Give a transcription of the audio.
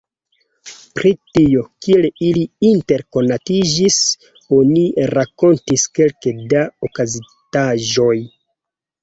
Pri tio, kiel ili interkonatiĝis, oni rakontis kelke da okazintaĵoj.